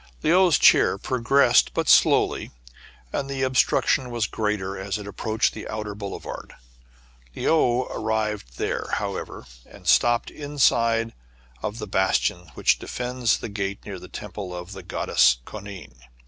Le ou's chair progressed but slowly, and the obstruction was greater as it approached the outer boulevard, Le ou arrived there, however, and stopped inside of the bastion which defends the gate near the Temple of the Goddess Koanine.